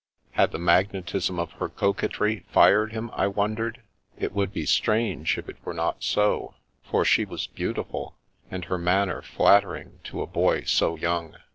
Had the magnetism of her coquetry fired him ? I wondered. It would be strange if it were not so, for she was beautiful, and her manner flattering to a boy so young.